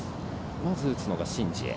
まず打つのがシン・ジエ。